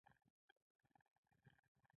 متغیره پانګه په مخرج کې واقع ده